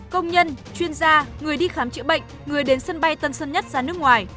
công nhân chuyên gia người đi khám trị bệnh người đến sân bay tân sân nhất ra nước ngoài